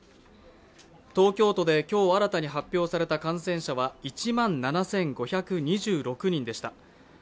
東京都で今日新たに発表された感染者は１万７５２６人でした。